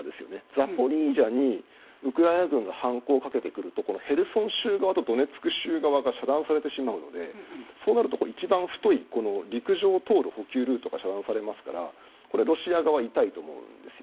ザポリージャにウクライナ軍が反攻をかけてくるとこのヘルソン州側とドネツク側が遮断されてしまうのでそうなると、一番太い陸上を通る補給ルートが遮断されますからこれはロシア側は痛いと思うんです。